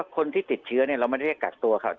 คนที่ติดเชื้อเราไม่ได้กักตัวเขา